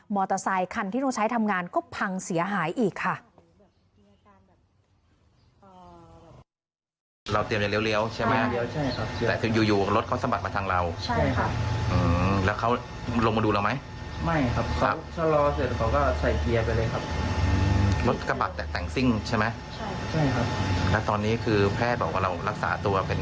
อเตอร์ไซคันที่ต้องใช้ทำงานก็พังเสียหายอีกค่ะ